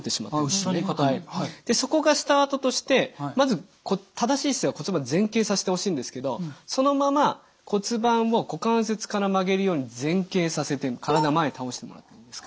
でそこがスタートとしてまず正しい姿勢は骨盤前傾させてほしいんですけどそのまま骨盤を股関節から曲げるように前傾させて体前に倒してもらっていいですか。